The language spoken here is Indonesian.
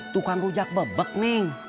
tukang rujak bebek neng